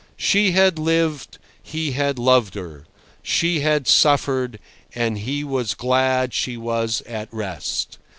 She had lived, he had loved her; she had suffered, and he was glad she was at rest.